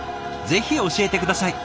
ぜひ教えて下さい。